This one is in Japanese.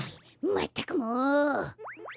まったくもう！